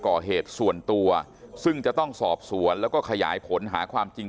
ก่อเหตุส่วนตัวซึ่งจะต้องสอบสวนแล้วก็ขยายผลหาความจริง